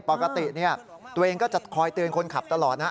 ปกติตัวเองก็จะคอยเตือนคนขับตลอดนะ